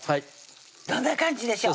どんな感じでしょう？